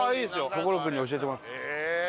心君に教えてもらった。